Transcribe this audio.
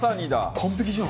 完璧じゃん。